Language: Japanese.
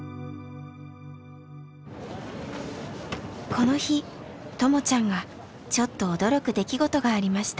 この日ともちゃんがちょっと驚く出来事がありました。